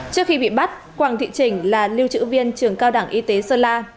trước khi bị bắt quảng thị trình là lưu trữ viên trường cao đẳng y tế sơn la